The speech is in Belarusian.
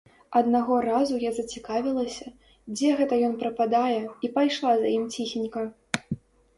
Аднаго разу я зацікавілася, дзе гэта ён прападае, і пайшла за ім ціхенька.